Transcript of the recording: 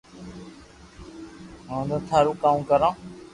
ھونن ٿارو ڪاو ڪرو